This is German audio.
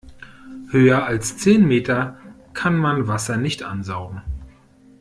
Höher als zehn Meter kann man Wasser nicht ansaugen.